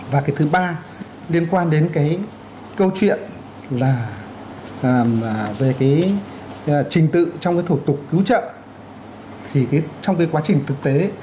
và cái thứ ba liên quan đến cái câu chuyện là về cái trình tự trong cái thủ tục cứu trợ thì trong cái quá trình thực tế